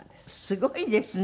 すごいですね。